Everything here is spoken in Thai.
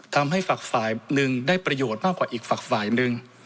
ทำให้ฝากฝ่ายนึงได้ประโยชน์มากกว่าอีกฝากฝ่ายนึง